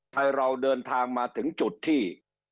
ไทยเราเดินทางมาถึงจุดที่